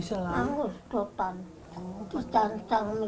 saya tidak bisa menjaga keamanan saya